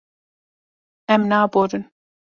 Em naborin.